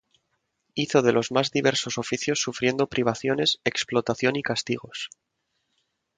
Hizo de los más diversos oficios sufriendo privaciones, explotación y castigos.